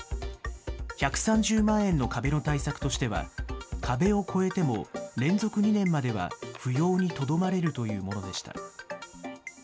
１３０万円の壁の対策としては、壁を超えても連続２年までは扶養にとどまれるというものでした。